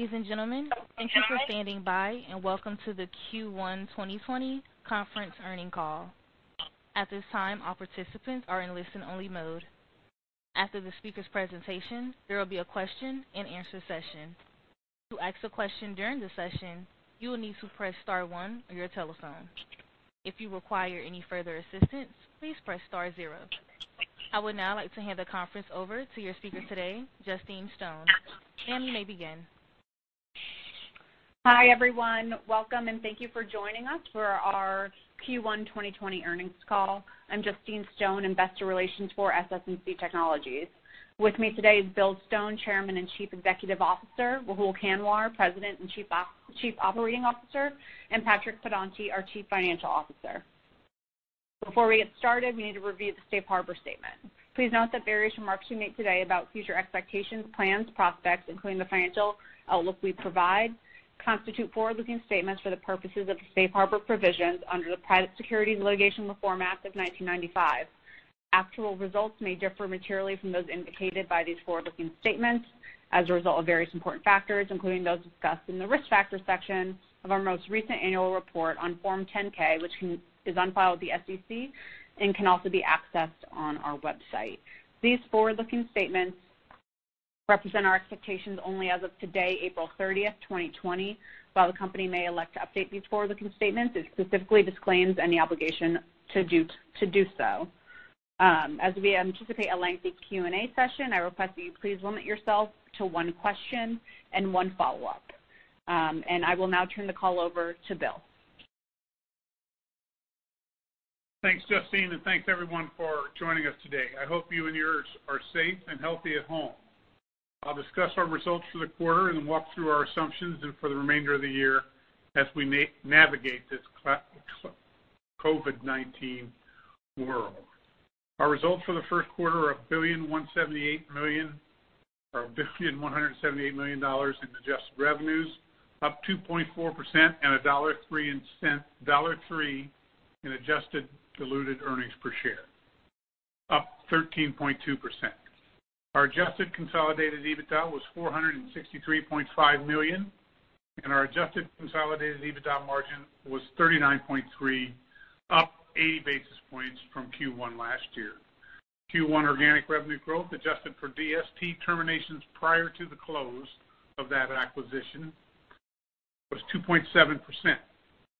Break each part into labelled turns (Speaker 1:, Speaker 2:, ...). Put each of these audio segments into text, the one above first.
Speaker 1: Ladies and gentlemen, thank you for standing by, and welcome to the Q1 2020 conference earnings call. At this time, all participants are in listen-only mode. After the speaker's presentation, there will be a question and answer session. To ask a question during the session, you will need to press star one on your telephone. If you require any further assistance, please press star zero. I would now like to hand the conference over to your speaker today, Justine Stone. Ma'am, you may begin.
Speaker 2: Hi, everyone. Welcome, and thank you for joining us for our Q1 2020 earnings call. I'm Justine Stone, investor relations for SS&C Technologies. With me today is Bill Stone, Chairman and Chief Executive Officer, Rahul Kanwar, President and Chief Operating Officer, and Patrick Pedonti, our Chief Financial Officer. Before we get started, we need to review the safe harbor statement. Please note that various remarks we make today about future expectations, plans, prospects, including the financial outlook we provide, constitute forward-looking statements for the purposes of the safe harbor provisions under the Private Securities Litigation Reform Act of 1995. Actual results may differ materially from those indicated by these forward-looking statements as a result of various important factors, including those discussed in the risk factors section of our most recent annual report on Form 10-K, which is on file with the SEC and can also be accessed on our website. These forward-looking statements represent our expectations only as of today, April 30th, 2020. While the company may elect to update these forward-looking statements, it specifically disclaims any obligation to do so. As we anticipate a lengthy Q&A session, I request that you please limit yourself to one question and one follow-up. I will now turn the call over to Bill.
Speaker 3: Thanks, Justine, and thanks everyone for joining us today. I hope you and yours are safe and healthy at home. I'll discuss our results for the quarter and then walk through our assumptions and for the remainder of the year as we navigate this COVID-19 world. Our results for the first quarter are $1,178 million in adjusted revenues, up 2.4%, and $1.03 in adjusted diluted earnings per share, up 13.2%. Our adjusted consolidated EBITDA was $463.5 million, and our adjusted consolidated EBITDA margin was 39.3%, up 80 basis points from Q1 last year. Q1 organic revenue growth, adjusted for DST terminations prior to the close of that acquisition, was 2.7%.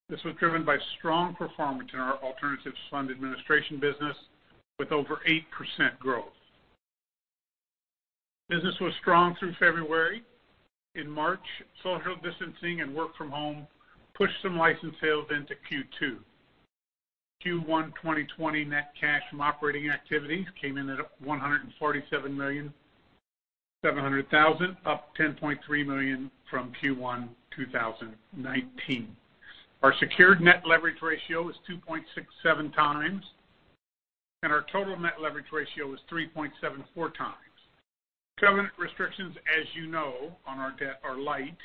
Speaker 3: This was driven by strong performance in our alternatives fund administration business with over 8% growth. Business was strong through February. In March, social distancing and work from home pushed some license sales into Q2. Q1 2020 net cash from operating activities came in at $147,700,000, up $10.3 million from Q1 2019. Our secured net leverage ratio is 2.67x, and our total net leverage ratio is 3.74x. Covenant restrictions, as you know, on our debt are light,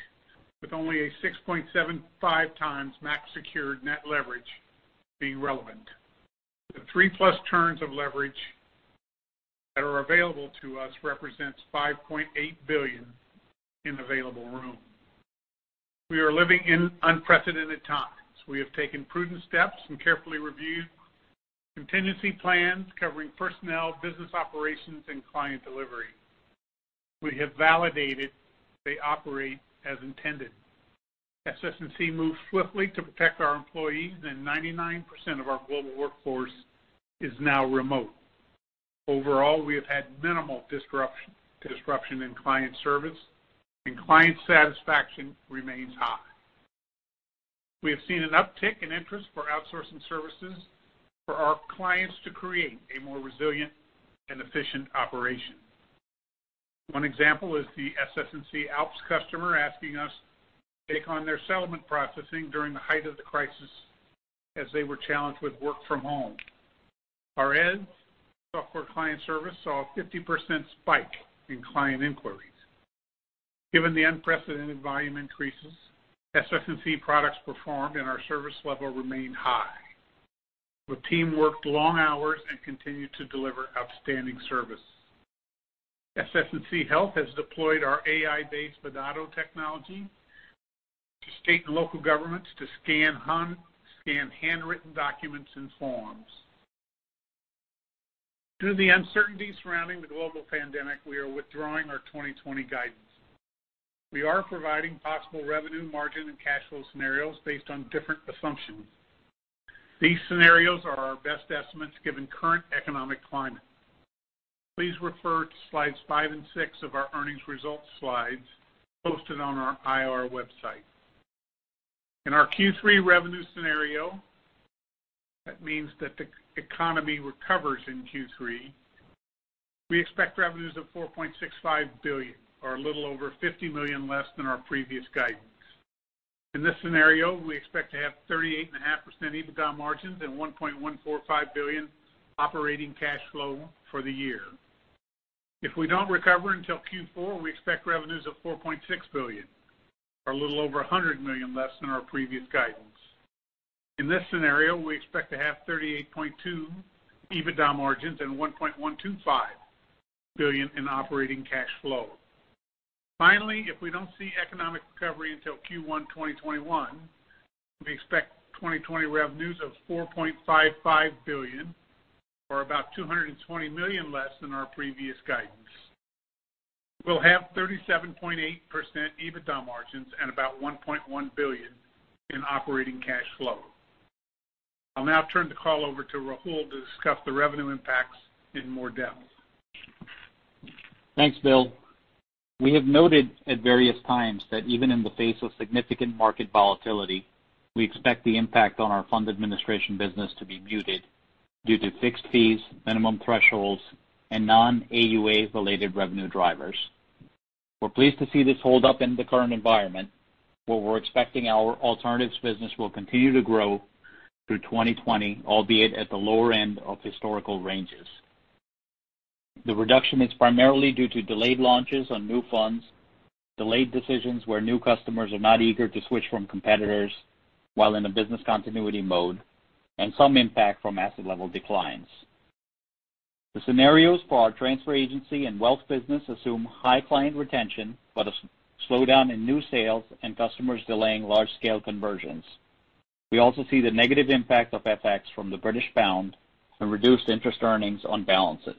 Speaker 3: with only a 6.75x max secured net leverage being relevant. The three-plus turns of leverage that are available to us represents $5.8 billion in available room. We are living in unprecedented times. We have taken prudent steps and carefully reviewed contingency plans covering personnel, business operations, and client delivery. We have validated they operate as intended. SS&C moved swiftly to protect our employees, and 99% of our global workforce is now remote. Overall, we have had minimal disruption in client service, and client satisfaction remains high. We have seen an uptick in interest for outsourcing services for our clients to create a more resilient and efficient operation. One example is the SS&C ALPS customer asking us to take on their settlement processing during the height of the crisis, as they were challenged with work from home. Our Eze software client service saw a 50% spike in client inquiries. Given the unprecedented volume increases, SS&C products performed, and our service level remained high. The team worked long hours and continued to deliver outstanding service. SS&C Health has deployed our AI-based Vidado technology to state and local governments to scan handwritten documents and forms. Due to the uncertainty surrounding the global pandemic, we are withdrawing our 2020 guidance. We are providing possible revenue, margin, and cash flow scenarios based on different assumptions. These scenarios are our best estimates given current economic climate. Please refer to slides five and six of our earnings results slides posted on our IR website. In our Q3 revenue scenario, that means that the economy recovers in Q3. We expect revenues of $4.65 billion, or a little over $50 million less than our previous guidance. In this scenario, we expect to have 38.5% EBITDA margins and $1.145 billion operating cash flow for the year. If we don't recover until Q4, we expect revenues of $4.6 billion, or a little over $100 million less than our previous guidance. In this scenario, we expect to have 38.2 EBITDA margins and $1.125 billion in operating cash flow. If we don't see economic recovery until Q1 2021, we expect 2020 revenues of $4.55 billion or about $220 million less than our previous guidance. We'll have 37.8% EBITDA margins and about $1.1 billion in operating cash flow. I'll now turn the call over to Rahul to discuss the revenue impacts in more depth.
Speaker 4: Thanks, Bill. We have noted at various times that even in the face of significant market volatility, we expect the impact on our fund administration business to be muted due to fixed fees, minimum thresholds, and non-AUA-related revenue drivers. We're pleased to see this hold up in the current environment, where we're expecting our alternatives business will continue to grow through 2020, albeit at the lower end of historical ranges. The reduction is primarily due to delayed launches on new funds, delayed decisions where new customers are not eager to switch from competitors while in a business continuity mode, and some impact from asset-level declines. The scenarios for our transfer agency and wealth business assume high client retention, but a slowdown in new sales and customers delaying large-scale conversions. We also see the negative impact of FX from the British pound and reduced interest earnings on balances.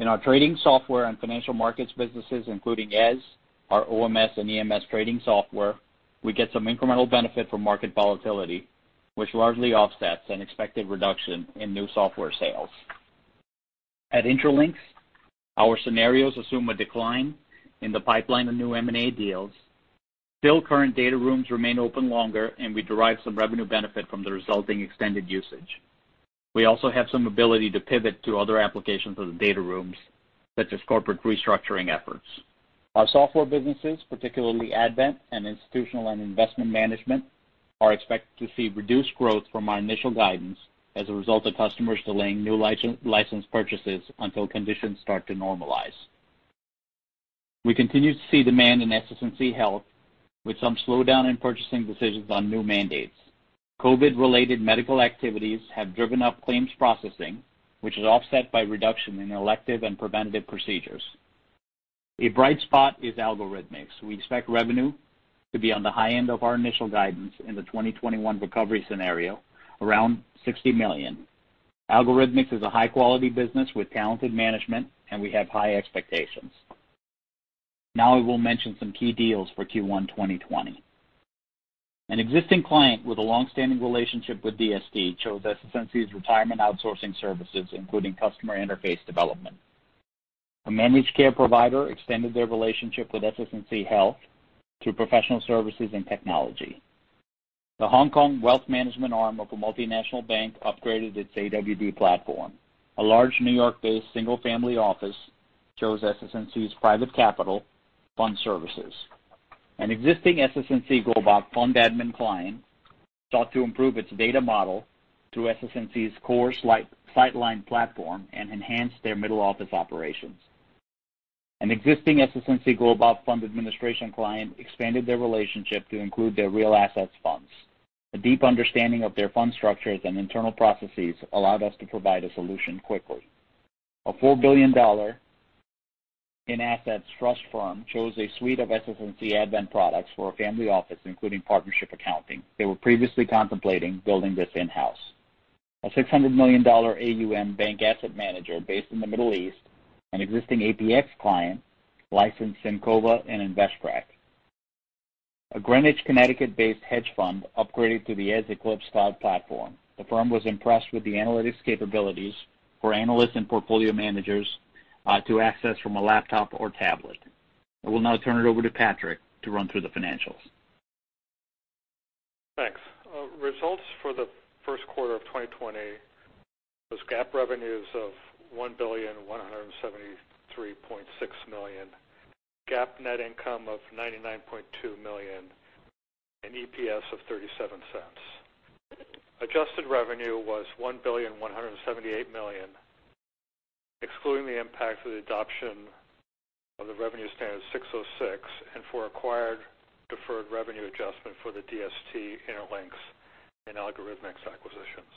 Speaker 4: In our trading software and financial markets businesses, including Eze, our OMS and EMS trading software, we get some incremental benefit from market volatility, which largely offsets an expected reduction in new software sales. At Intralinks, our scenarios assume a decline in the pipeline of new M&A deals. Still, current data rooms remain open longer, and we derive some revenue benefit from the resulting extended usage. We also have some ability to pivot to other applications of the data rooms, such as corporate restructuring efforts. Our software businesses, particularly Advent and Institutional and Investment Management, are expected to see reduced growth from our initial guidance as a result of customers delaying new license purchases until conditions start to normalize. We continue to see demand in SS&C Health, with some slowdown in purchasing decisions on new mandates. COVID-related medical activities have driven up claims processing, which is offset by reduction in elective and preventive procedures. A bright spot is Algorithmics. We expect revenue to be on the high end of our initial guidance in the 2021 recovery scenario, around $60 million. Algorithmics is a high-quality business with talented management. We have high expectations. Now I will mention some key deals for Q1 2020. An existing client with a long-standing relationship with DST chose SS&C's retirement outsourcing services, including customer interface development. A managed care provider extended their relationship with SS&C Health through professional services and technology. The Hong Kong wealth management arm of a multinational bank upgraded its AWD platform. A large New York-based single-family office chose SS&C's private capital fund services. An existing SS&C GlobeOp client sought to improve its data model through SS&C's core Sightline platform and enhance their middle-office operations. An existing SS&C GlobeOp client expanded their relationship to include their real assets funds. A deep understanding of their fund structures and internal processes allowed us to provide a solution quickly. A $4 billion in assets trust firm chose a suite of SS&C Advent products for a family office, including partnership accounting. They were previously contemplating building this in-house. A $600 million AUM bank asset manager based in the Middle East, an existing APX client, licensed Incova and Investrack. A Greenwich, Connecticut-based hedge fund upgraded to the Eze Eclipse Cloud platform. The firm was impressed with the analytics capabilities for analysts and portfolio managers to access from a laptop or tablet. I will now turn it over to Patrick to run through the financials.
Speaker 5: Thanks. Results for the first quarter of 2020 was GAAP revenues of $1,173.6 million, GAAP net income of $99.2 million, and EPS of $0.37. Adjusted revenue was $1,178 million, excluding the impact of the adoption of the ASC 606 and for acquired deferred revenue adjustment for the DST, Intralinks, and Algorithmics acquisitions.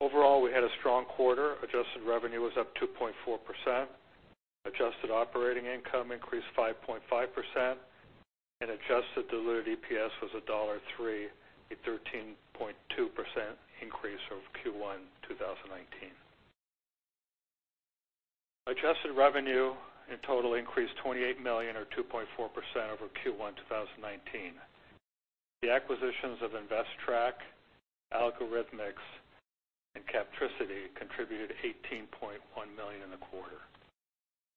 Speaker 5: Overall, we had a strong quarter. Adjusted revenue was up 2.4%, adjusted operating income increased 5.5%, and adjusted diluted EPS was $1.03, a 13.2% increase over Q1 2019. Adjusted revenue in total increased $28 million or 2.4% over Q1 2019. The acquisitions of Investrack, Algorithmics, and Captricity contributed $18.1 million in the quarter.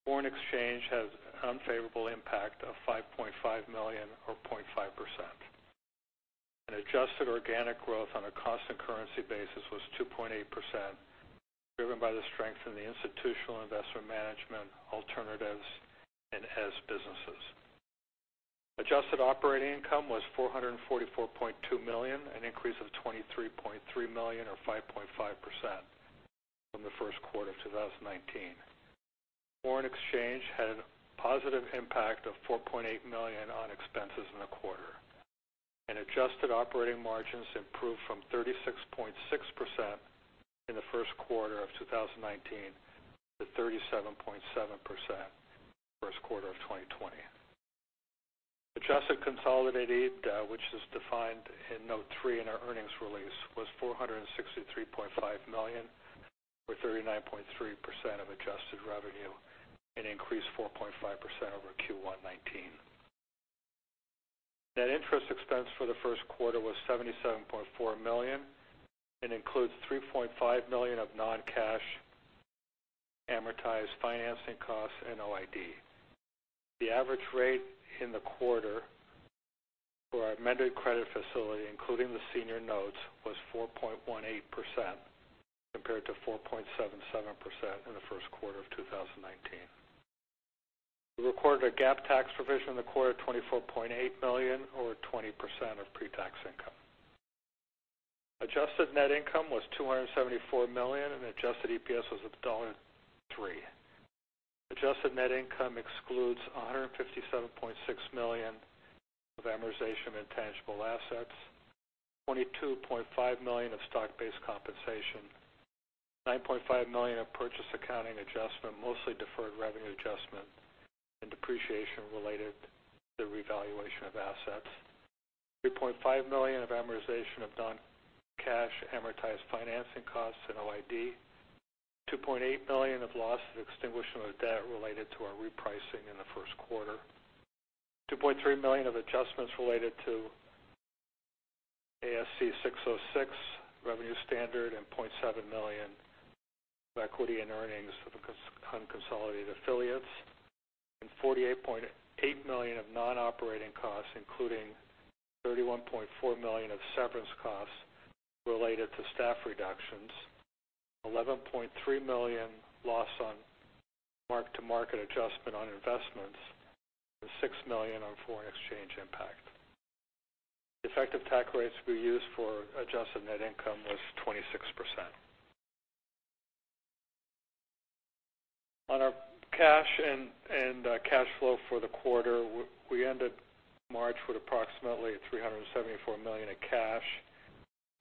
Speaker 5: Foreign exchange has an unfavorable impact of $5.5 million or 0.5%. Adjusted organic growth on a constant currency basis was 2.8%, driven by the strength in the institutional investment management alternatives and Eze businesses. Adjusted operating income was $444.2 million, an increase of $23.3 million or 5.5% from the first quarter of 2019. Foreign exchange had a positive impact of $4.8 million on expenses in the quarter. Adjusted operating margins improved from 36.6% in the first quarter of 2019 to 37.7% first quarter of 2020. Adjusted consolidated EBITDA, which is defined in Note 3 in our earnings release, was $463.5 million or 39.3% of adjusted revenue and increased 4.5% over Q1 2019. Net interest expense for the first quarter was $77.4 million and includes $3.5 million of non-cash amortized financing costs and OID. The average rate in the quarter for our amended credit facility, including the senior notes, was 4.18%, compared to 4.77% in the first quarter of 2019. We recorded a GAAP tax provision in the quarter of $24.8 million, or 20% of pre-tax income. Adjusted net income was $274 million, and adjusted EPS was $1.03. Adjusted net income excludes $157.6 million of amortization of intangible assets, $22.5 million of stock-based compensation, $9.5 million of purchase accounting adjustment, mostly deferred revenue adjustment and depreciation related to the revaluation of assets, $3.5 million of amortization of non-cash amortized financing costs and OID, $2.8 million of loss and extinguishment of debt related to our repricing in the first quarter, $2.3 million of adjustments related to ASC 606 revenue standard, and $0.7 million of equity and earnings for the unconsolidated affiliates, and $48.8 million of non-operating costs, including $31.4 million of severance costs related to staff reductions, $11.3 million loss on mark-to-market adjustment on investments, and $6 million on foreign exchange impact. The effective tax rates we used for adjusted net income was 26%. On our cash and cash flow for the quarter, we ended March with approximately $374 million of cash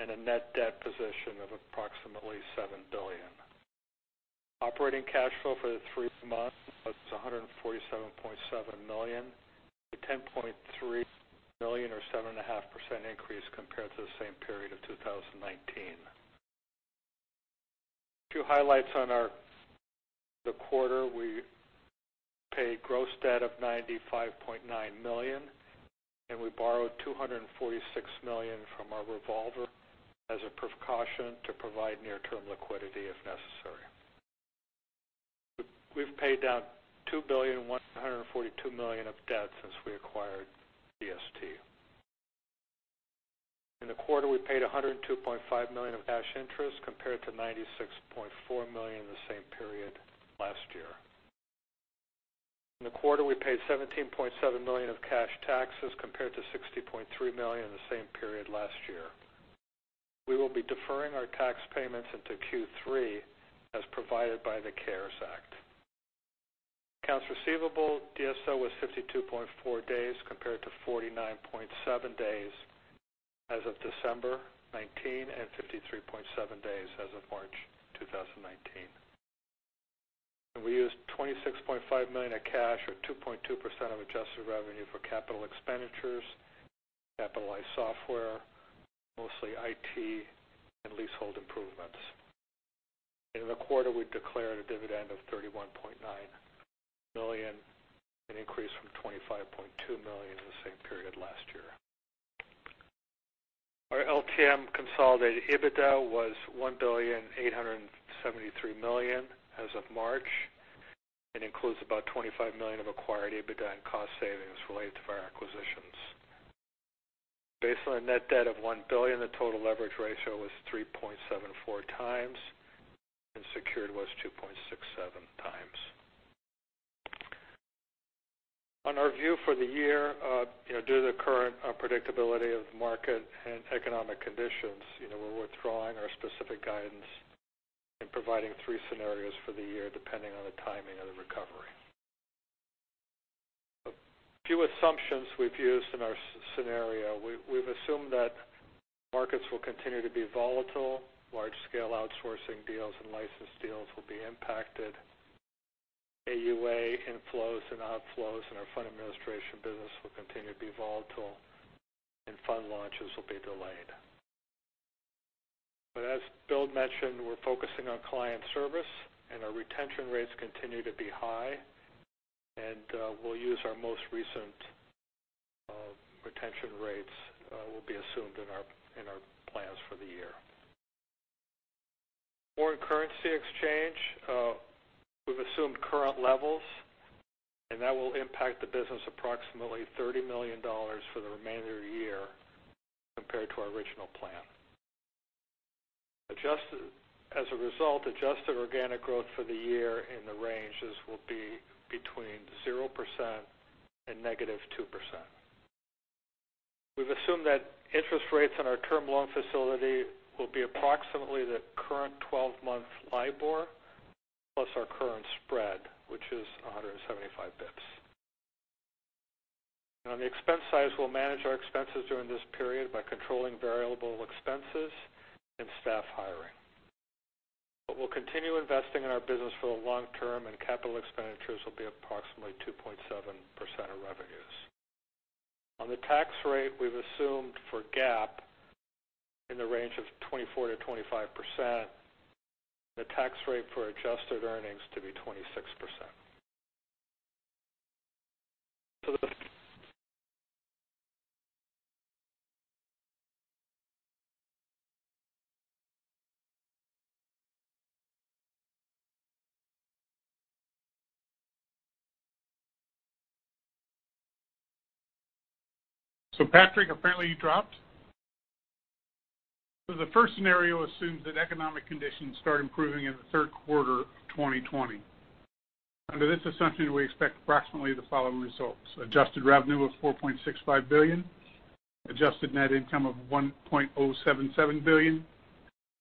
Speaker 5: and a net debt position of approximately $7 billion. Operating cash flow for the three months was $147.7 million, a $10.3 million or 7.5% increase compared to the same period of 2019. A few highlights on the quarter. We paid gross debt of $95.9 million, and we borrowed $246 million from our revolver as a precaution to provide near-term liquidity if necessary. We've paid down $2.142 billion of debt since we acquired DST. In the quarter, we paid $102.5 million of cash interest compared to $96.4 million in the same period last year. In the quarter, we paid $17.7 million of cash taxes compared to $60.3 million in the same period last year. We will be deferring our tax payments into Q3 as provided by the CARES Act. Accounts receivable DSO was 52.4 days compared to 49.7 days as of December 2019 and 53.7 days as of March 2019. We used $26.5 million of cash or 2.2% of adjusted revenue for capital expenditures, capitalized software, mostly IT, and leasehold improvements. In the quarter, we declared a dividend of $31.9 million, an increase from $25.2 million in the same period last year. Our LTM consolidated EBITDA was $1.873 billion as of March, and includes about $25 million of acquired EBITDA and cost savings related to our acquisitions. Based on a net debt of $1 billion, the total leverage ratio was 3.74x and secured was 2.67x. On our view for the year, due to the current unpredictability of the market and economic conditions, we're withdrawing our specific guidance and providing three scenarios for the year depending on the timing of the recovery. A few assumptions we've used in our scenario. We've assumed that markets will continue to be volatile, large-scale outsourcing deals and license deals will be impacted, AUA inflows and outflows in our fund administration business will continue to be volatile, and fund launches will be delayed. As Bill mentioned, we're focusing on client service, and our retention rates continue to be high. We'll use our most recent retention rates will be assumed in our plans for the year. Foreign currency exchange, we've assumed current levels, and that will impact the business approximately $30 million for the remainder of the year compared to our original plan. As a result, adjusted organic growth for the year in the ranges will be between 0% and -2%. We've assumed that interest rates on our term loan facility will be approximately the current 12-month LIBOR plus our current spread, which is 175 basis points. On the expense side, we'll manage our expenses during this period by controlling variable expenses and staff hiring. We'll continue investing in our business for the long term, and capital expenditures will be approximately 2.7% of revenues. On the tax rate, we've assumed for GAAP in the range of 24%-25%, and the tax rate for adjusted earnings to be 26%.
Speaker 3: Patrick, apparently you dropped. The first scenario assumes that economic conditions start improving in the third quarter of 2020. Under this assumption, we expect approximately the following results: adjusted revenue of $4.65 billion, adjusted net income of $1.077 billion,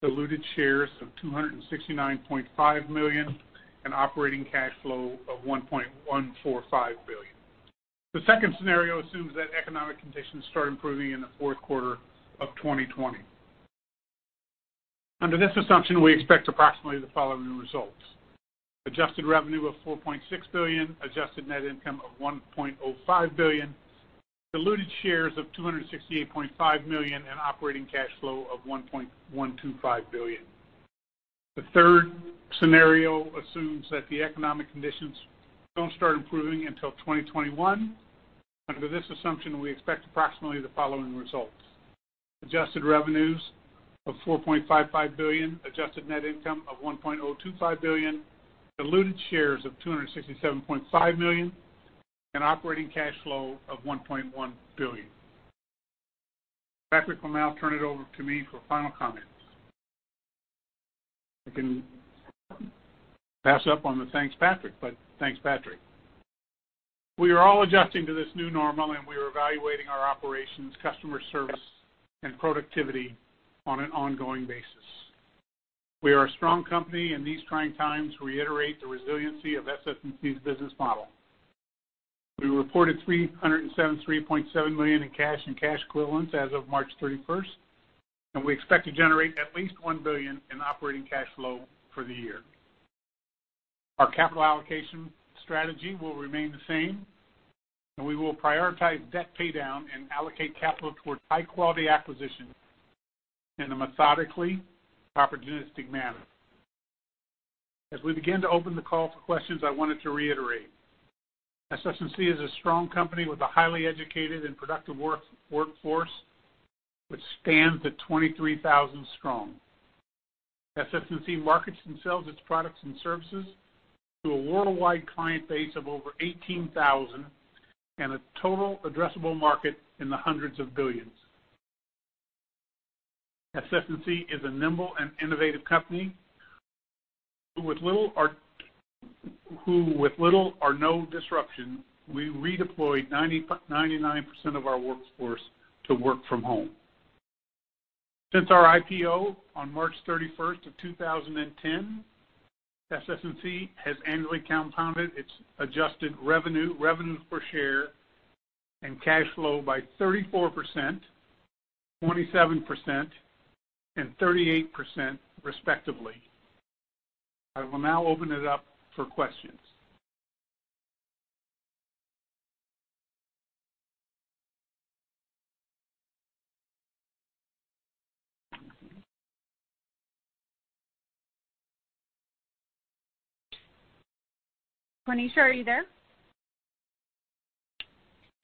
Speaker 3: diluted shares of 269.5 million, and operating cash flow of $1.145 billion. The second scenario assumes that economic conditions start improving in the fourth quarter of 2020. Under this assumption, we expect approximately the following results: adjusted revenue of $4.6 billion, adjusted net income of $1.05 billion, diluted shares of 268.5 million, and operating cash flow of $1.125 billion. The third scenario assumes that the economic conditions don't start improving until 2021. Under this assumption, we expect approximately the following results: adjusted revenues of $4.55 billion, adjusted net income of $1.025 billion, diluted shares of 267.5 million, and operating cash flow of $1.1 billion. Patrick will now turn it over to me for final comments. I can pass up on the "Thanks, Patrick," but thanks, Patrick. We are all adjusting to this new normal, and we are evaluating our operations, customer service, and productivity on an ongoing basis. We are a strong company in these trying times, reiterate the resiliency of SS&C's business model. We reported $373.7 million in cash and cash equivalents as of March 31st, and we expect to generate at least $1 billion in operating cash flow for the year. Our capital allocation strategy will remain the same, and we will prioritize debt paydown and allocate capital towards high-quality acquisitions in a methodically opportunistic manner. As we begin to open the call for questions, I wanted to reiterate, SS&C is a strong company with a highly educated and productive workforce, which stands at 23,000 strong. SS&C markets and sells its products and services to a worldwide client base of over 18,000, and a total addressable market in the hundreds of billions. SS&C is a nimble and innovative company, who with little or no disruption, we redeployed 99% of our workforce to work from home. Since our IPO on March 31st of 2010, SS&C has annually compounded its adjusted revenue per share, and cash flow by 34%, 27%, and 38%, respectively. I will now open it up for questions.
Speaker 2: Monisha, are you there?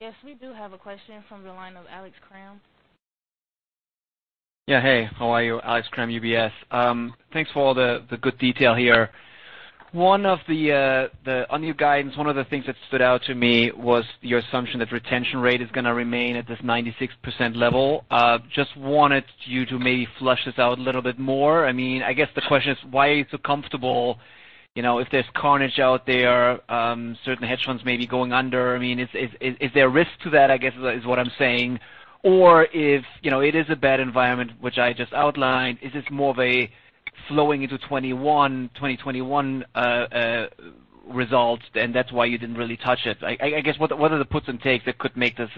Speaker 1: Yes, we do have a question from the line of Alex Kramm.
Speaker 6: Yeah. Hey, how are you? Alex Kramm, UBS. Thanks for all the good detail here. On your guidance, one of the things that stood out to me was your assumption that retention rate is going to remain at this 96% level. Just wanted you to maybe flesh this out a little bit more. I guess the question is, why are you so comfortable if there's carnage out there, certain hedge funds may be going under. Is there a risk to that, I guess, is what I'm saying? If it is a bad environment, which I just outlined, is this more of a flowing into 2021 result, and that's why you didn't really touch it? I guess, what are the puts and takes that could make this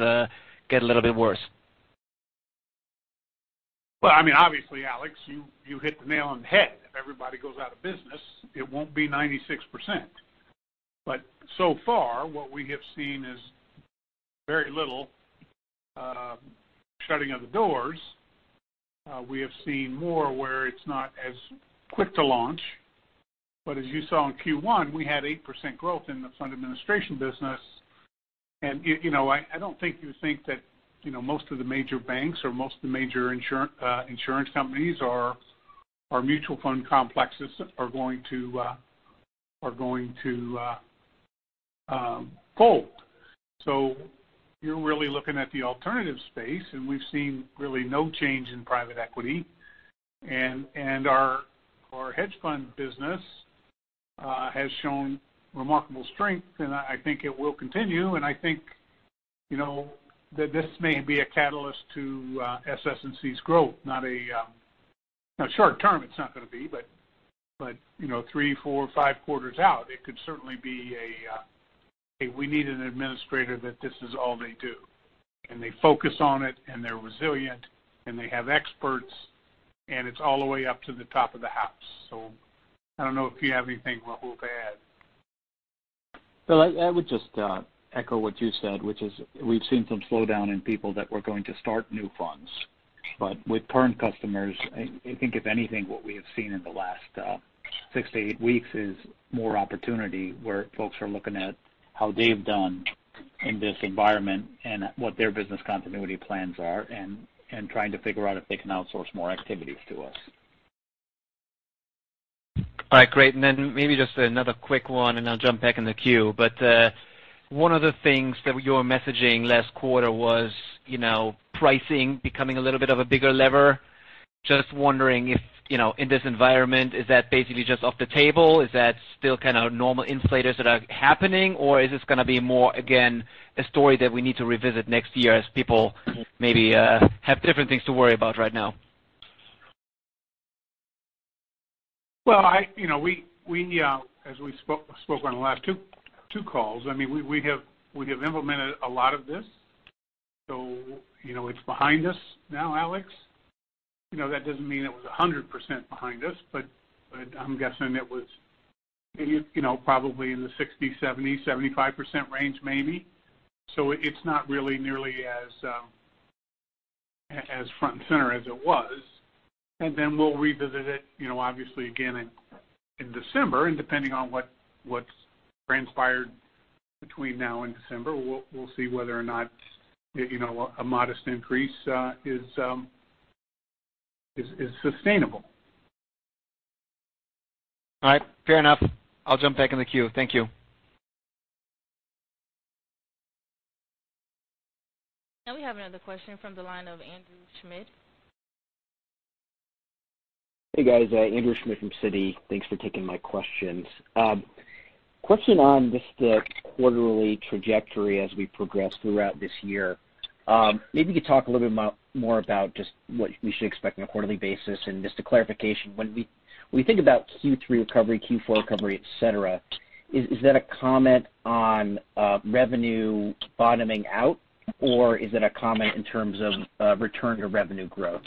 Speaker 6: get a little bit worse?
Speaker 3: Obviously, Alex, you hit the nail on the head. If everybody goes out of business, it won't be 96%. So far, what we have seen is very little shutting of the doors. We have seen more where it's not as quick to launch. As you saw in Q1, we had 8% growth in the fund administration business. I don't think you think that most of the major banks or most of the major insurance companies or mutual fund complexes are going to fold. You're really looking at the alternative space, and we've seen really no change in private equity. Our hedge fund business. Has shown remarkable strength, and I think it will continue. I think that this may be a catalyst to SS&C's growth. Not short-term, it's not going to be, but three, four, five quarters out, it could certainly be a, "Hey, we need an administrator that this is all they do, and they focus on it, and they're resilient, and they have experts, and it's all the way up to the top of the house." I don't know if you have anything, Rahul, to add.
Speaker 4: Well, I would just echo what you said, which is we've seen some slowdown in people that were going to start new funds. With current customers, I think if anything, what we have seen in the last six to eight weeks is more opportunity where folks are looking at how they've done in this environment and what their business continuity plans are, and trying to figure out if they can outsource more activities to us.
Speaker 6: All right, great. Maybe just another quick one, and I'll jump back in the queue. One of the things that you were messaging last quarter was pricing becoming a little bit of a bigger lever. Just wondering if, in this environment, is that basically just off the table? Is that still kind of normal inflators that are happening, or is this going to be more, again, a story that we need to revisit next year as people maybe have different things to worry about right now?
Speaker 3: As we spoke on the last two calls, we have implemented a lot of this, so it's behind us now, Alex. That doesn't mean it was 100% behind us, but I'm guessing it was probably in the 60%, 70%, 75% range maybe. It's not really nearly as front and center as it was. Then we'll revisit it, obviously again in December. Depending on what's transpired between now and December, we'll see whether or not a modest increase is sustainable.
Speaker 6: All right, fair enough. I'll jump back in the queue. Thank you.
Speaker 1: Now we have another question from the line of Andrew Schmidt.
Speaker 7: Hey, guys. Andrew Schmidt from Citi. Thanks for taking my questions. Question on just the quarterly trajectory as we progress throughout this year. Maybe you could talk a little bit more about just what we should expect on a quarterly basis and just a clarification. When we think about Q3 recovery, Q4 recovery, et cetera, is that a comment on revenue bottoming out, or is it a comment in terms of return to revenue growth?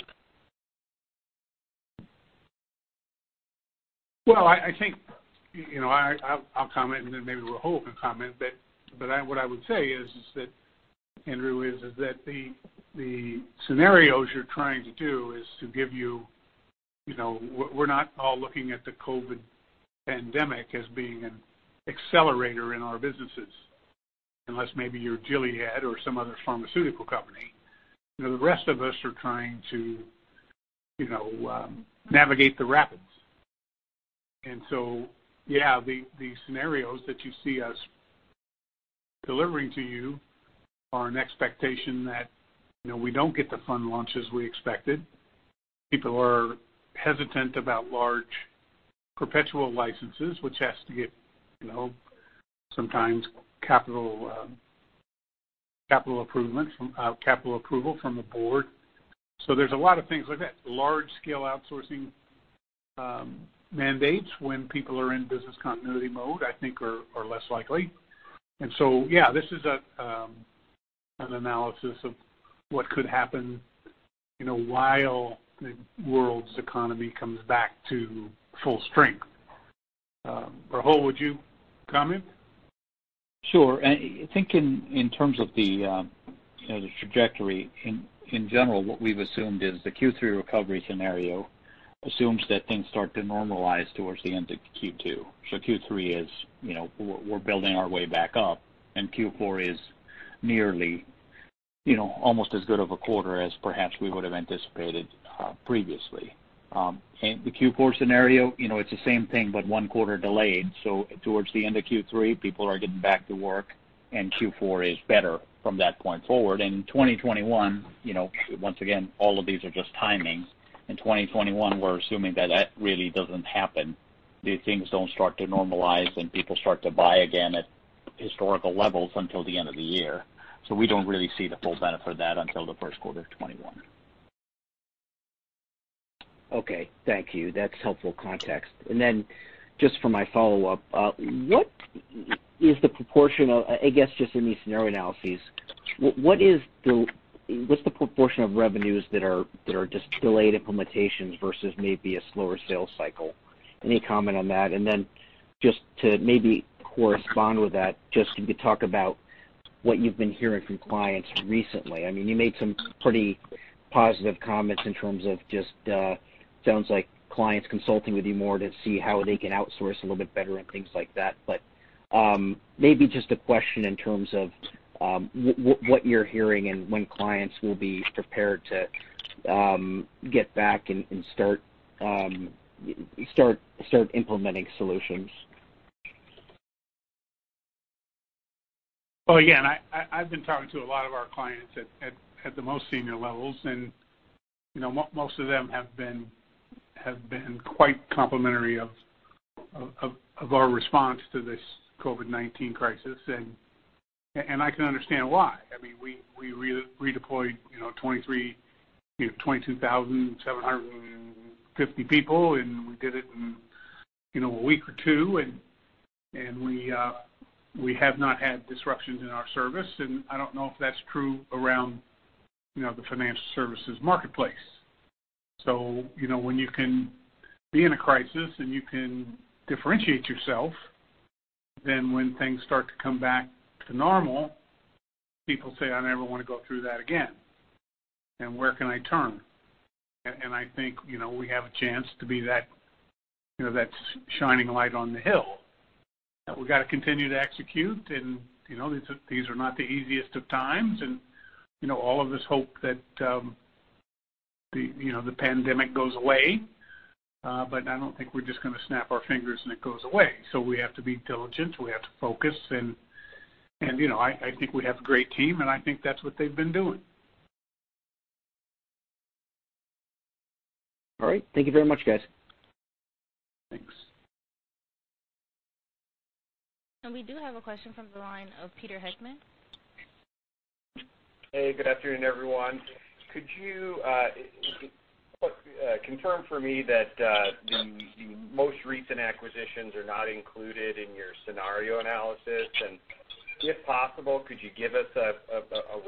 Speaker 3: Well, I'll comment, and then maybe Rahul can comment. What I would say, Andrew, is that the scenarios you're trying to do is to give you We're not all looking at the COVID pandemic as being an accelerator in our businesses, unless maybe you're Gilead or some other pharmaceutical company. The rest of us are trying to navigate the rapids. Yeah, the scenarios that you see us delivering to you are an expectation that we don't get the fund launches we expected. People are hesitant about large perpetual licenses, which has to get sometimes capital approval from a board. There's a lot of things like that. Large-scale outsourcing mandates when people are in business continuity mode, I think, are less likely. Yeah, this is an analysis of what could happen while the world's economy comes back to full strength. Rahul, would you comment?
Speaker 4: Sure. I think in terms of the trajectory in general, what we've assumed is the Q3 recovery scenario assumes that things start to normalize towards the end of Q2. Q3 is we're building our way back up, and Q4 is nearly almost as good of a quarter as perhaps we would have anticipated previously. The Q4 scenario it's the same thing, but one quarter delayed. Towards the end of Q3, people are getting back to work, and Q4 is better from that point forward. 2021, once again, all of these are just timings. In 2021, we're assuming that really doesn't happen. These things don't start to normalize and people start to buy again at historical levels until the end of the year. We don't really see the full benefit of that until the first quarter of 2021.
Speaker 7: Okay, thank you. That's helpful context. Just for my follow-up, what is the proportion of I guess, just in these scenario analyses, what's the proportion of revenues that are just delayed implementations versus maybe a slower sales cycle? Any comment on that? Just to maybe correspond with that, just if you could talk about what you've been hearing from clients recently. You made some pretty positive comments in terms of just sounds like clients consulting with you more to see how they can outsource a little bit better and things like that. Maybe just a question in terms of what you're hearing and when clients will be prepared to get back and start implementing solutions.
Speaker 3: Well, again, I've been talking to a lot of our clients at the most senior levels, and most of them have been quite complimentary of our response to this COVID-19 crisis. I can understand why. We redeployed 22,750 people, and we did it in a week or two. We have not had disruptions in our service. I don't know if that's true around the financial services marketplace. When you can be in a crisis and you can differentiate yourself, then when things start to come back to normal, people say, "I never want to go through that again. And where can I turn?" I think we have a chance to be that shining light on the hill. We've got to continue to execute. These are not the easiest of times. All of us hope that the pandemic goes away. I don't think we're just going to snap our fingers and it goes away. We have to be diligent. We have to focus. I think we have a great team, and I think that's what they've been doing.
Speaker 7: All right. Thank you very much, guys.
Speaker 3: Thanks.
Speaker 1: We do have a question from the line of Peter Heckmann.
Speaker 8: Hey, good afternoon, everyone. Could you confirm for me that the most recent acquisitions are not included in your scenario analysis? If possible, could you give us a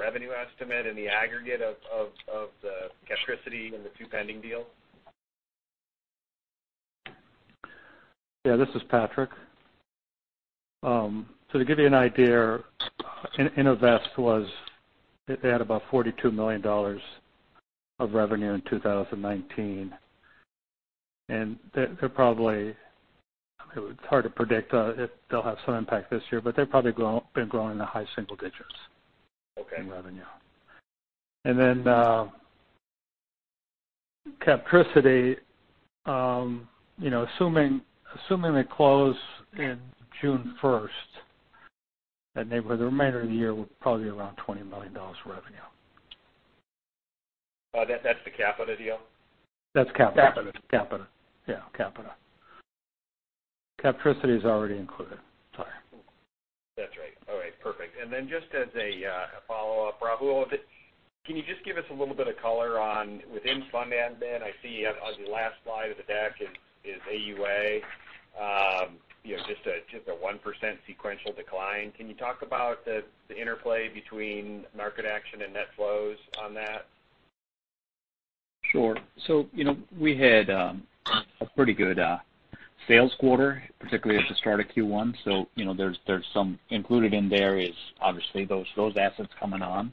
Speaker 8: revenue estimate in the aggregate of Captricity and the two pending deals?
Speaker 5: Yeah, this is Patrick. To give you an idea, Innovest had about $42 million of revenue in 2019. It's hard to predict if they'll have some impact this year, but they've probably been growing in the high single digits. Okay In revenue. Captricity, assuming they close in June 1st, for the remainder of the year will probably be around $20 million revenue.
Speaker 8: That's the Capita deal?
Speaker 5: That's Capita.
Speaker 8: Capita.
Speaker 5: Capita. Yeah, Capita. Captricity is already included. Sorry.
Speaker 8: That's right. All right. Perfect. Then just as a follow-up, Rahul, can you just give us a little bit of color on within fund admin, I see on the last slide of the deck is AUA, just a 1% sequential decline. Can you talk about the interplay between market action and net flows on that?
Speaker 4: Sure. We had a pretty good sales quarter, particularly at the start of Q1. Included in there is obviously those assets coming on.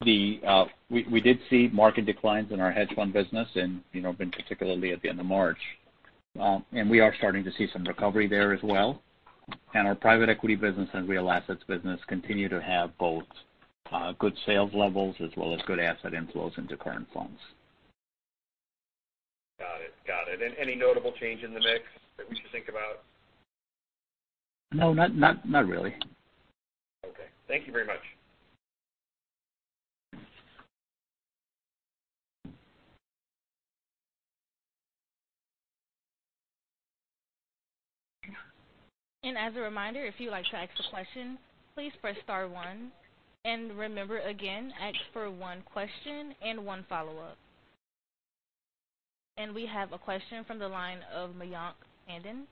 Speaker 4: We did see market declines in our hedge fund business and been particularly at the end of March. We are starting to see some recovery there as well. Our private equity business and real assets business continue to have both good sales levels as well as good asset inflows into current funds.
Speaker 8: Got it. Any notable change in the mix that we should think about?
Speaker 4: No, not really.
Speaker 8: Okay. Thank you very much.
Speaker 1: As a reminder, if you'd like to ask a question, please press star one. Remember, again, ask for one question and one follow-up. We have a question from the line of Mayank Tandon.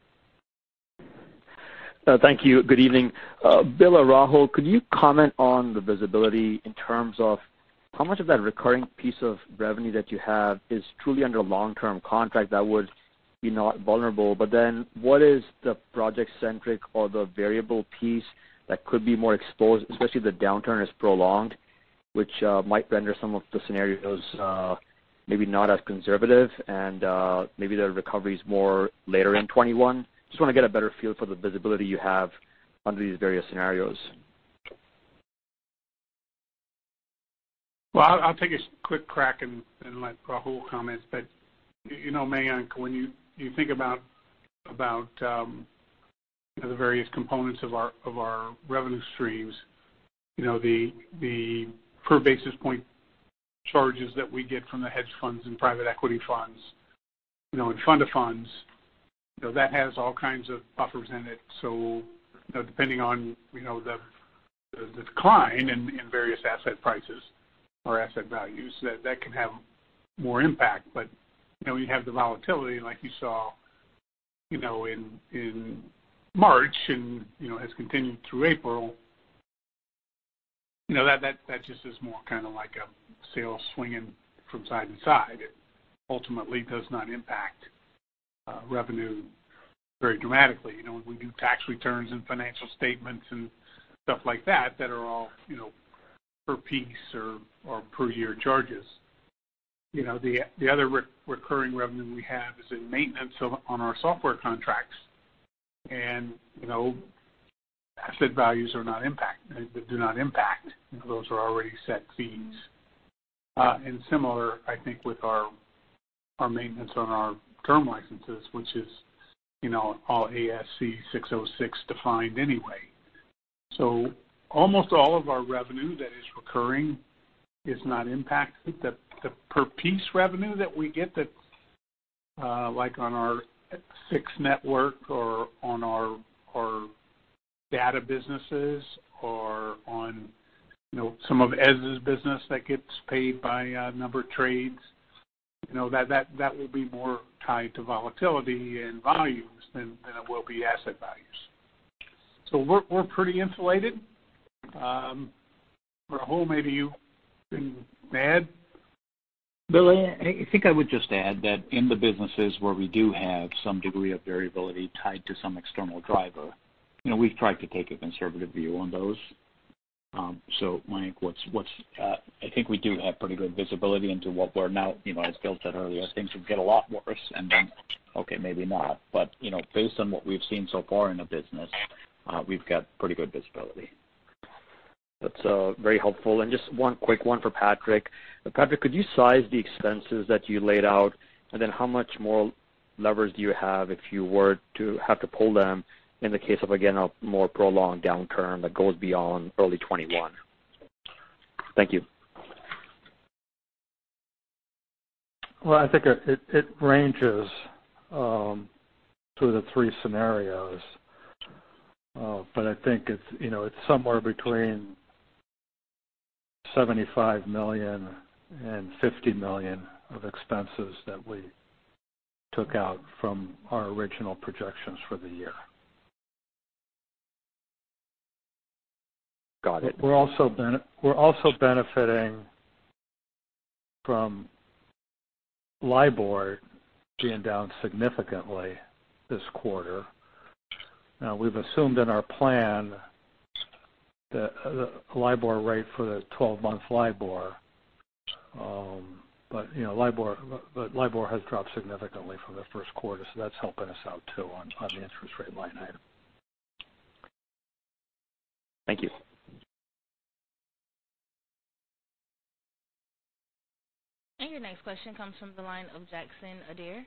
Speaker 9: Thank you. Good evening. Bill or Rahul, could you comment on the visibility in terms of how much of that recurring piece of revenue that you have is truly under a long-term contract that would be not vulnerable? What is the project centric or the variable piece that could be more exposed, especially if the downturn is prolonged, which might render some of the scenarios maybe not as conservative and maybe the recovery is more later in 2021? Just want to get a better feel for the visibility you have under these various scenarios.
Speaker 3: I'll take a quick crack and let Rahul comment. Mayank, when you think about the various components of our revenue streams, the per basis point charges that we get from the hedge funds and private equity funds and fund to funds, that has all kinds of buffers in it. Depending on the decline in various asset prices or asset values, that can have more impact. When you have the volatility like you saw in March and has continued through April, that just is more kind of like a sail swinging from side to side. It ultimately does not impact revenue very dramatically. We do tax returns and financial statements and stuff like that are all per piece or per year charges. The other recurring revenue we have is in maintenance on our software contracts. Asset values do not impact. Those are already set fees. Similar, I think, with our maintenance on our term licenses, which is all ASC 606 defined anyway. Almost all of our revenue that is recurring is not impacted. The per piece revenue that we get, like on our FX network or on our data businesses or on some of Eze's business that gets paid by number of trades, that will be more tied to volatility and volumes than it will be asset values. We're pretty insulated. Rahul, maybe you can add.
Speaker 4: Bill, I think I would just add that in the businesses where we do have some degree of variability tied to some external driver, we've tried to take a conservative view on those. I think we do have pretty good visibility. As Bill said earlier, things could get a lot worse. Then, okay, maybe not. Based on what we've seen so far in the business, we've got pretty good visibility.
Speaker 9: That's very helpful. Just one quick one for Patrick. Patrick, could you size the expenses that you laid out, and then how much more leverage do you have if you were to have to pull them in the case of, again, a more prolonged downturn that goes beyond early 2021? Thank you.
Speaker 5: I think it ranges through the three scenarios. I think it's somewhere between $75 million and $50 million of expenses that we took out from our original projections for the year.
Speaker 9: Got it.
Speaker 5: We're also benefiting from LIBOR being down significantly this quarter. We've assumed in our plan the LIBOR rate for the 12-month LIBOR. LIBOR has dropped significantly for the first quarter, so that's helping us out too on the interest rate line item.
Speaker 9: Thank you.
Speaker 1: Your next question comes from the line of Jackson Ader.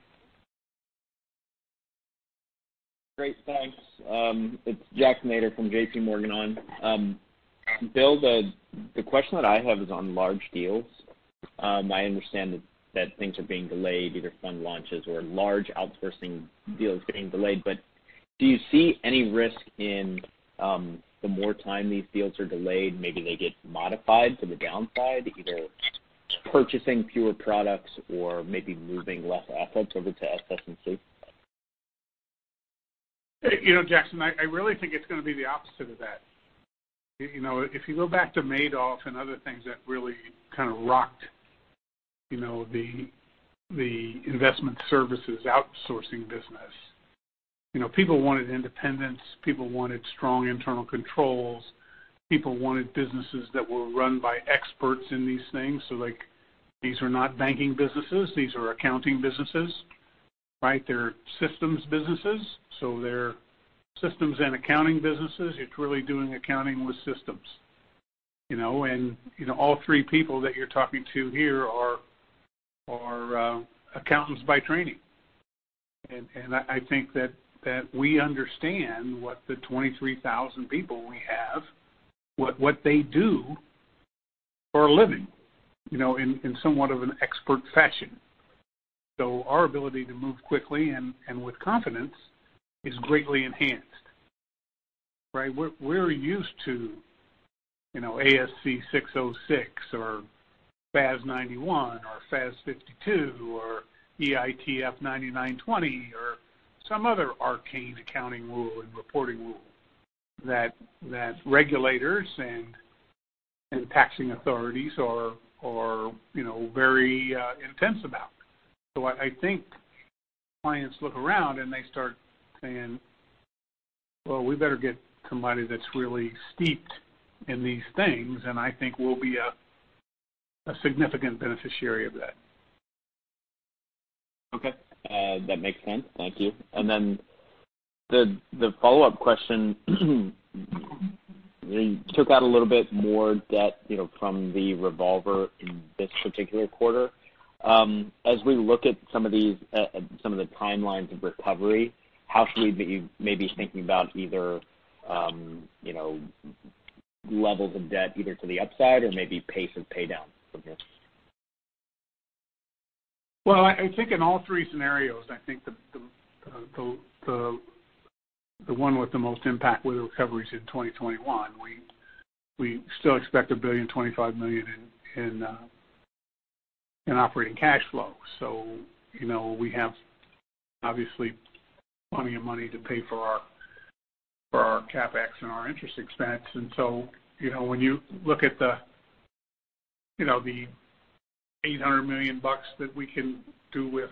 Speaker 10: Great, thanks. It's Jack Ader from JPMorgan. Bill, the question that I have is on large deals. I understand that things are being delayed, either fund launches or large outsourcing deals getting delayed. Do you see any risk in the more time these deals are delayed, maybe they get modified to the downside, either purchasing fewer products or maybe moving less assets over to SS&C?
Speaker 3: Jackson, I really think it's going to be the opposite of that. If you go back to Madoff and other things that really kind of rocked the investment services outsourcing business. People wanted independence. People wanted strong internal controls. People wanted businesses that were run by experts in these things. These are not banking businesses. These are accounting businesses. They're systems businesses. They're systems and accounting businesses. It's really doing accounting with systems. All three people that you're talking to here are accountants by training. I think that we understand what the 23,000 people we have, what they do for a living, in somewhat of an expert fashion. Our ability to move quickly and with confidence is greatly enhanced. We're used to ASC 606 or FAS 91 or FAS 52 or EITF 99-20 or some other arcane accounting rule and reporting rule that regulators and taxing authorities are very intense about. I think clients look around, and they start saying, "Well, we better get somebody that's really steeped in these things." I think we'll be a significant beneficiary of that.
Speaker 10: Okay. That makes sense. Thank you. The follow-up question. You took out a little bit more debt from the revolver in this particular quarter. As we look at some of the timelines of recovery, how should we maybe be thinking about either levels of debt either to the upside or maybe pace of pay down from here?
Speaker 3: Well, I think in all three scenarios, I think the one with the most impact were the recoveries in 2021. We still expect $1.025 billion in operating cash flow. We have obviously plenty of money to pay for our CapEx and our interest expense. When you look at the $800 million bucks that we can do with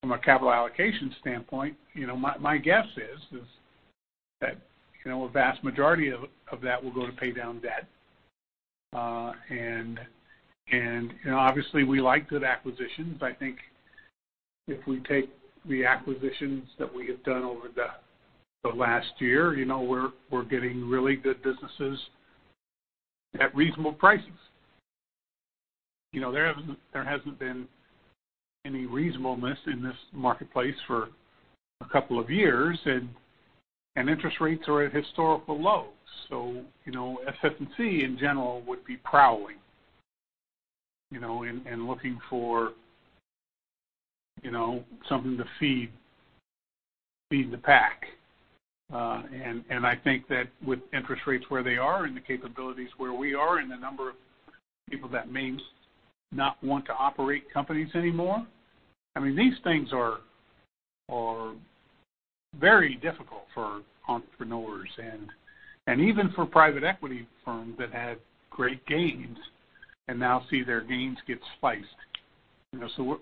Speaker 3: from a capital allocation standpoint, my guess is that a vast majority of that will go to pay down debt. Obviously we like good acquisitions. If we take the acquisitions that we have done over the last year, we're getting really good businesses at reasonable prices. There hasn't been any reasonableness in this marketplace for a couple of years, and interest rates are at historical lows. SS&C, in general, would be prowling and looking for something to feed the pack. I think that with interest rates where they are and the capabilities where we are and the number of people that may not want to operate companies anymore, these things are very difficult for entrepreneurs and even for private equity firms that had great gains and now see their gains get sliced.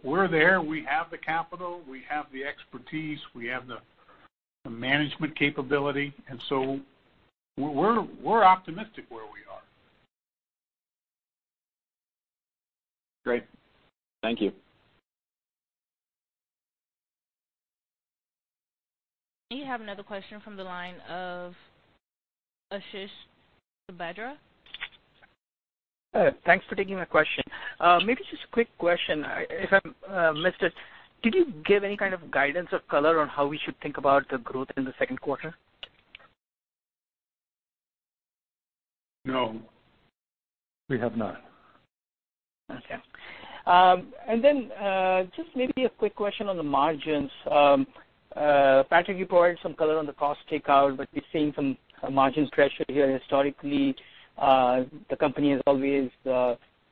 Speaker 3: We're there. We have the capital, we have the expertise, we have the management capability, and so we're optimistic where we are.
Speaker 10: Great. Thank you.
Speaker 1: We have another question from the line of Ashish Sabadra.
Speaker 11: Thanks for taking my question. Maybe just a quick question, if I missed it. Did you give any kind of guidance of color on how we should think about the growth in the second quarter?
Speaker 3: No. We have not.
Speaker 11: Okay. Just maybe a quick question on the margins. Patrick, you provided some color on the cost takeout, but we're seeing some margin pressure here. Historically, the company has always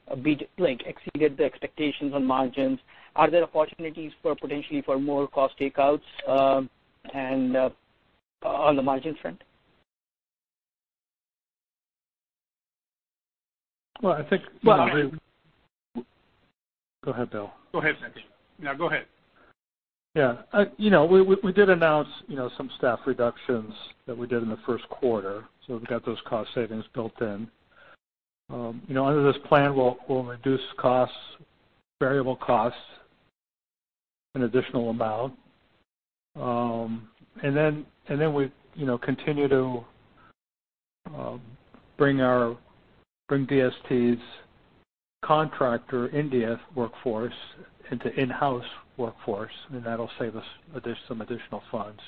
Speaker 11: exceeded the expectations on margins. Are there opportunities potentially for more cost takeouts on the margin front?
Speaker 5: Well, I think-
Speaker 3: Well.
Speaker 5: Go ahead, Bill.
Speaker 3: Go ahead, Patrick. No, go ahead.
Speaker 5: Yeah. We did announce some staff reductions that we did in the first quarter, so we've got those cost savings built in. Under this plan, we'll reduce variable costs an additional amount. We continue to bring DST's contractor India workforce into in-house workforce, and that'll save us some additional funds.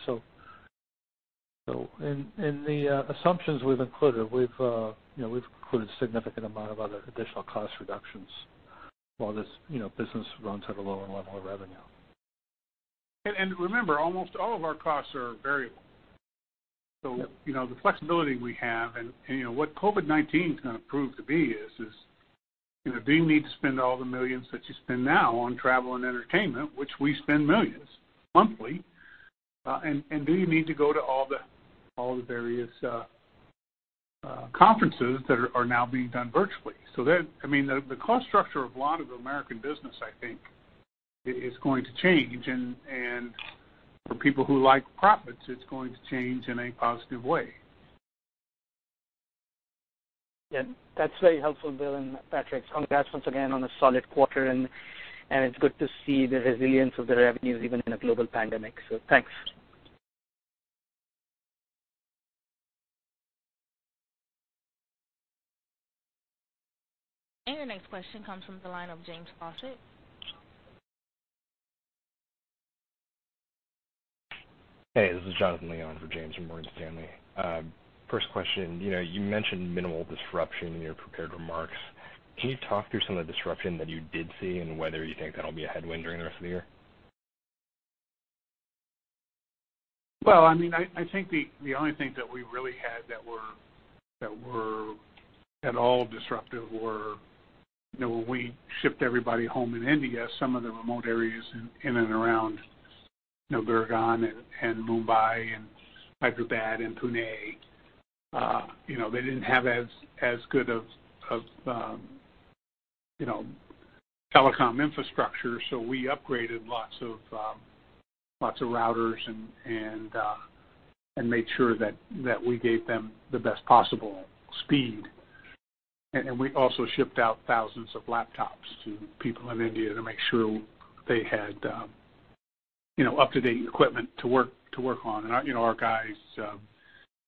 Speaker 5: In the assumptions we've included, we've included a significant amount of other additional cost reductions while this business runs at a lower level of revenue.
Speaker 3: Remember, almost all of our costs are variable. The flexibility we have, and what COVID-19's going to prove to be is, do you need to spend all the millions that you spend now on travel and entertainment? We spend millions monthly. Do you need to go to all the various conferences that are now being done virtually? The cost structure of a lot of American business, I think, is going to change, and for people who like profits, it's going to change in a positive way.
Speaker 11: Yeah. That's very helpful, Bill and Patrick. Congrats once again on a solid quarter. It's good to see the resilience of the revenues even in a global pandemic. Thanks.
Speaker 1: Your next question comes from the line of James Faucette. Hey, this is Jonathan Lee for James from Morgan Stanley. First question. You mentioned minimal disruption in your prepared remarks. Can you talk through some of the disruption that you did see and whether you think that'll be a headwind during the rest of the year?
Speaker 3: Well, I think the only thing that we really had that were at all disruptive were when we shipped everybody home in India, some of the remote areas in and around Gurgaon and Mumbai and Hyderabad and Pune. They didn't have as good of telecom infrastructure, so we upgraded lots of routers and made sure that we gave them the best possible speed. We also shipped out thousands of laptops to people in India to make sure they had up-to-date equipment to work on. Our guys,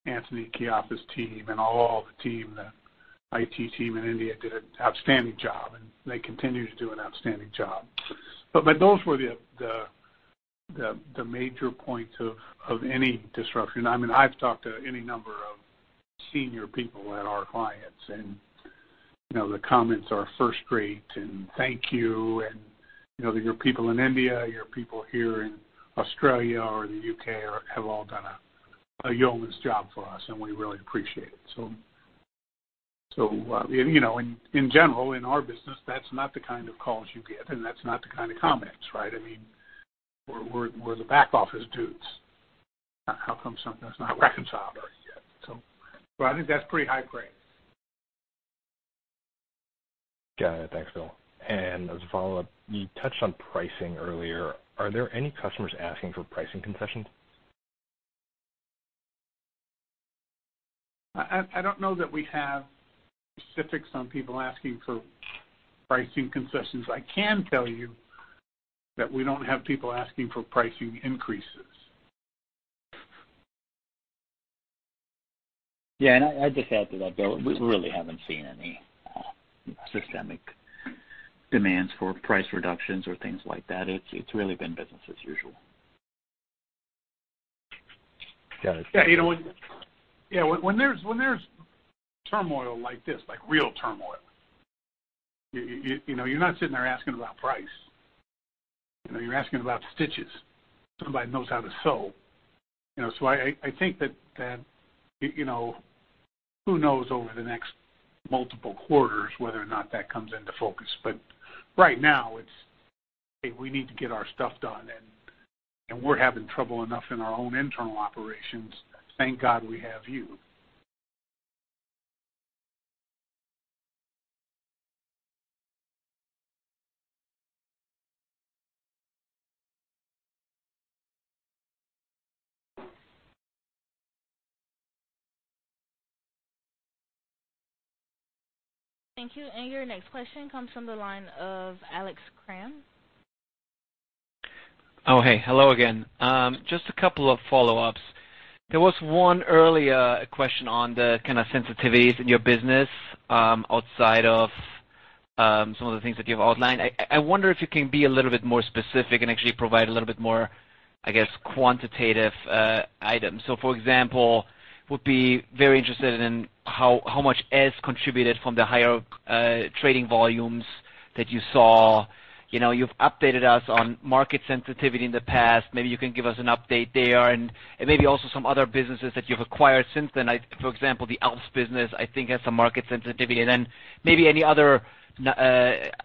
Speaker 3: Anthony Chiappa's team and all the team, the IT team in India did an outstanding job, and they continue to do an outstanding job. Those were the major points of any disruption. I've talked to any number of senior people at our clients. The comments are first-rate and thank you. Your people in India, your people here in Australia or the U.K. have all done a yeoman's job for us. We really appreciate it. In general, in our business, that's not the kind of calls you get. That's not the kind of comments. We're the back office dudes. How come something's not reconciled right yet? I think that's pretty high praise.
Speaker 12: Got it. Thanks, Bill. As a follow-up, you touched on pricing earlier. Are there any customers asking for pricing concessions?
Speaker 3: I don't know that we have specifics on people asking for pricing concessions. I can tell you that we don't have people asking for pricing increases.
Speaker 4: I'd just add to that, Bill, we really haven't seen any systemic demands for price reductions or things like that. It's really been business as usual.
Speaker 3: Yeah. When there's turmoil like this, like real turmoil, you're not sitting there asking about price. You're asking about stitches. Somebody knows how to sew. I think that who knows over the next multiple quarters whether or not that comes into focus. Right now it's, Hey, we need to get our stuff done, and we're having trouble enough in our own internal operations. Thank God we have you.
Speaker 1: Thank you. Your next question comes from the line of Alex Kramm.
Speaker 6: Hey. Hello again. Just a couple of follow-ups. There was one earlier question on the kind of sensitivities in your business, outside of some of the things that you have outlined. I wonder if you can be a little bit more specific and actually provide a little bit more, I guess, quantitative items. For example, would be very interested in how much Eze contributed from the higher trading volumes that you saw. You've updated us on market sensitivity in the past. Maybe you can give us an update there and maybe also some other businesses that you've acquired since then. For example, the ALPS business, I think, has some market sensitivity. Then maybe any other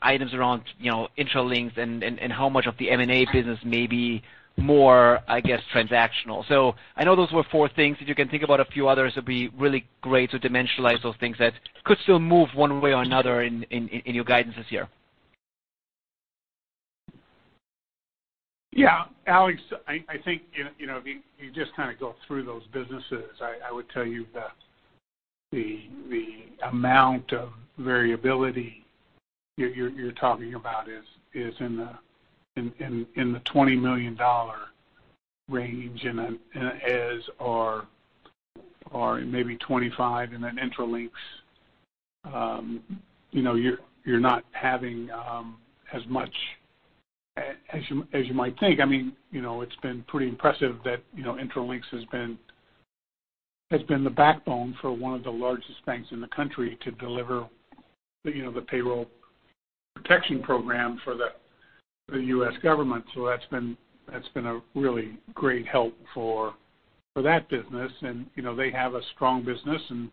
Speaker 6: items around Intralinks and how much of the M&A business may be more, I guess, transactional. I know those were four things. If you can think about a few others, it'd be really great to dimensionalize those things that could still move one way or another in your guidance this year.
Speaker 3: Yeah. Alex, I think, if you just kind of go through those businesses, I would tell you that the amount of variability you're talking about is in the $20 million range in an Eze or in maybe $25 million in an Intralinks. You're not having as much as you might think. It's been pretty impressive that Intralinks has been the backbone for one of the largest banks in the country to deliver the Payroll Protection Program for the U.S. government. That's been a really great help for that business. They have a strong business and,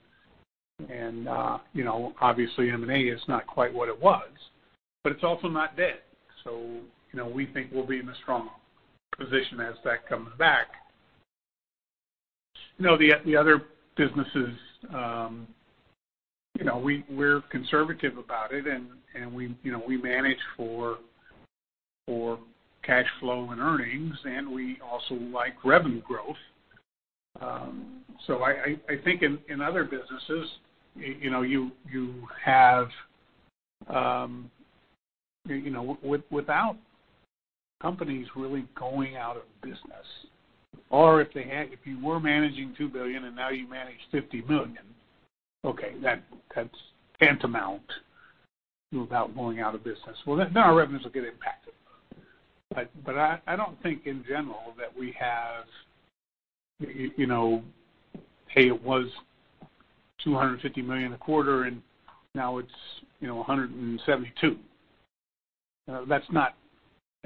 Speaker 3: obviously M&A is not quite what it was, but it's also not dead. We think we'll be in a strong position as that comes back. The other businesses, we're conservative about it, and we manage for cash flow and earnings, and we also like revenue growth. I think in other businesses, without companies really going out of business or if you were managing $2 billion and now you manage $50 million, okay, that's tantamount to about going out of business. Then our revenues will get impacted. I don't think in general that we have, "Hey, it was $250 million a quarter and now it's $172."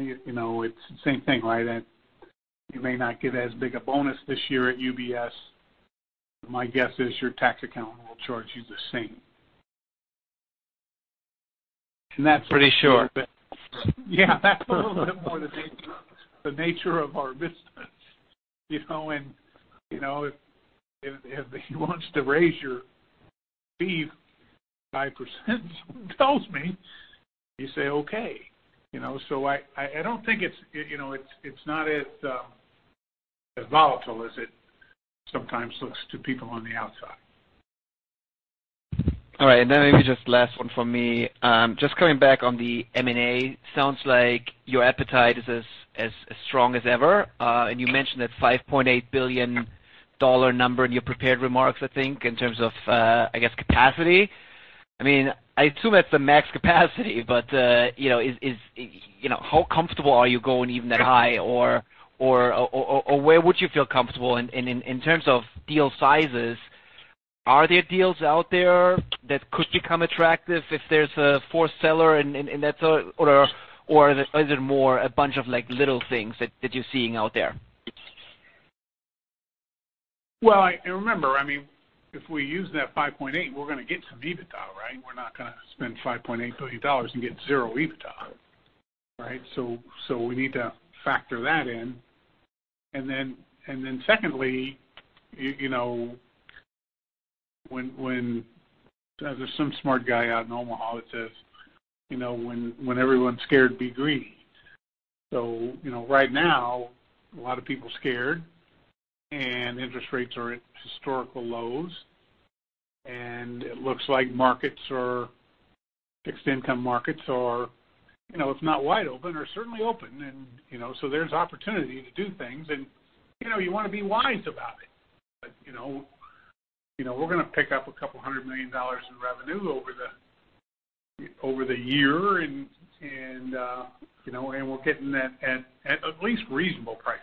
Speaker 3: It's the same thing, right? You may not get as big a bonus this year at UBS. My guess is your tax accountant will charge you the same.
Speaker 6: That's pretty sure.
Speaker 3: Yeah, that's a little bit more the nature of our business. If he wants to raise your fee 5%, so he tells me, you say, okay. I don't think it's not as volatile as it sometimes looks to people on the outside.
Speaker 6: All right. Maybe just last one from me. Just coming back on the M&A, sounds like your appetite is as strong as ever. You mentioned that $5.8 billion number in your prepared remarks, I think, in terms of, I guess, capacity. I assume that's the max capacity, but how comfortable are you going even that high or where would you feel comfortable? In terms of deal sizes, are there deals out there that could become attractive if there's a fourth seller and that's all, or is it more a bunch of little things that you're seeing out there?
Speaker 3: Well, remember, if we use that 5.8, we're going to get some EBITDA, right? We're not going to spend $5.8 billion and get zero EBITDA, right? We need to factor that in. Secondly, there's some smart guy out in Omaha that says, "When everyone's scared, be greedy." Right now, a lot of people are scared, and interest rates are at historical lows, and it looks like fixed income markets are, if not wide open, are certainly open. There's opportunity to do things and you want to be wise about it. We're going to pick up a couple hundred million dollars in revenue over the year, and we're getting that at at least reasonable prices.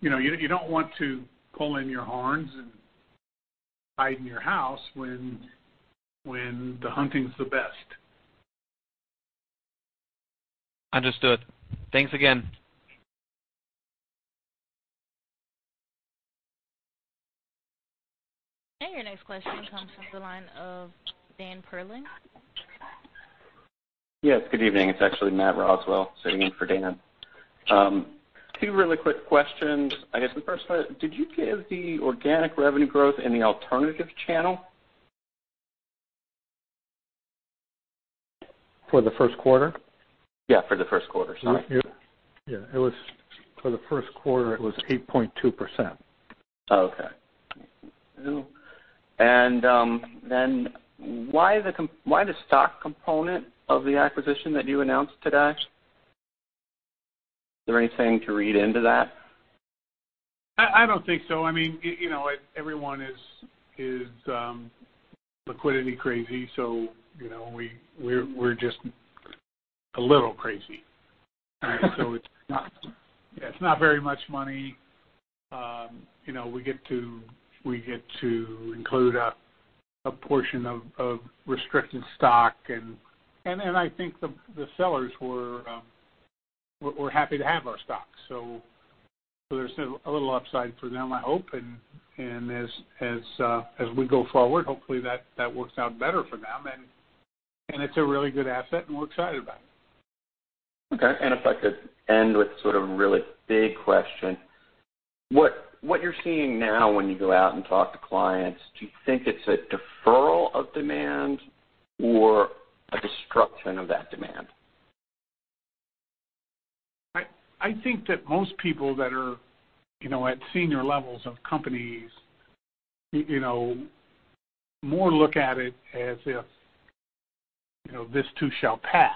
Speaker 3: You don't want to pull in your horns and hide in your house when the hunting's the best.
Speaker 6: Understood. Thanks again.
Speaker 1: Your next question comes from the line of Dan Perlin.
Speaker 13: Yes, good evening. It's actually Matthew Roswell sitting in for Dan. Two really quick questions. I guess the first one, did you give the organic revenue growth in the alternative channel?
Speaker 3: For the first quarter?
Speaker 13: Yeah, for the first quarter. Sorry.
Speaker 3: Yeah. For the first quarter, it was 8.2%.
Speaker 13: Okay. Why the stock component of the acquisition that you announced today? Is there anything to read into that?
Speaker 3: I don't think so. Everyone is liquidity crazy, so we're just a little crazy. It's not very much money. We get to include a portion of restricted stock, and I think the sellers were happy to have our stock. There's a little upside for them, I hope, and as we go forward, hopefully that works out better for them, and it's a really good asset, and we're excited about it.
Speaker 13: Okay, if I could end with sort of a really big question. What you're seeing now when you go out and talk to clients, do you think it's a deferral of demand or a destruction of that demand?
Speaker 3: I think that most people that are at senior levels of companies more look at it as if this too shall pass.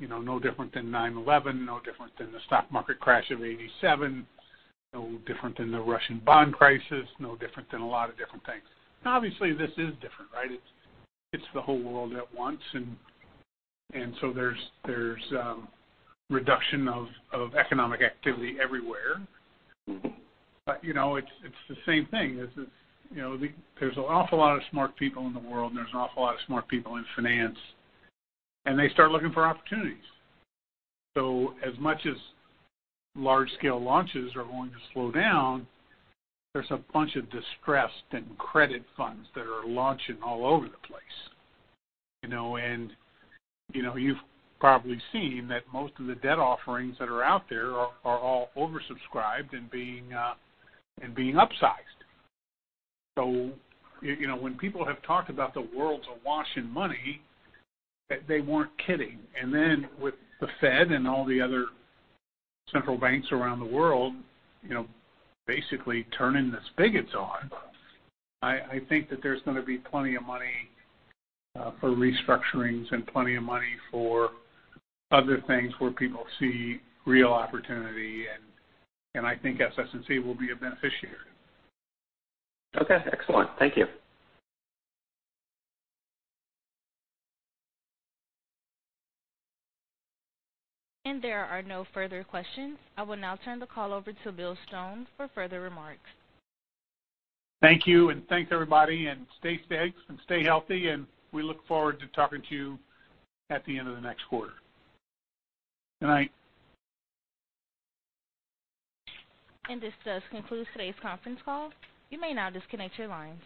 Speaker 3: No different than 9/11, no different than the stock market crash of 1987, no different than the Russian bond crisis, no different than a lot of different things. Obviously, this is different, right? It's the whole world at once, and so there's reduction of economic activity everywhere. It's the same thing. There's an awful lot of smart people in the world, and there's an awful lot of smart people in finance, and they start looking for opportunities. As much as large-scale launches are going to slow down, there's a bunch of distressed and credit funds that are launching all over the place. You've probably seen that most of the debt offerings that are out there are all oversubscribed and being upsized. When people have talked about the world's awash in money, they weren't kidding. Then with the Fed and all the other central banks around the world basically turning the spigots on, I think that there's going to be plenty of money for restructurings and plenty of money for other things where people see real opportunity, and I think SS&C will be a beneficiary.
Speaker 13: Okay, excellent. Thank you.
Speaker 1: There are no further questions. I will now turn the call over to Bill Stone for further remarks.
Speaker 3: Thank you. Thanks everybody, and stay safe, and stay healthy, and we look forward to talking to you at the end of the next quarter. Good night.
Speaker 1: This does conclude today's conference call. You may now disconnect your lines.